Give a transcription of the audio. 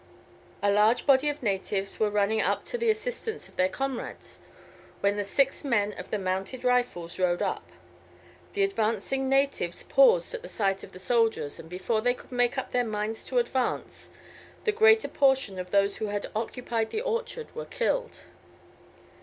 A large body of natives were running up to the assistance of their comrades, when the six men of the Mounted Rifles rode up. The advancing natives paused at the sight of the soldiers, and before they could make up their minds to advance, the greater portion of those who had occupied the orchard were killed.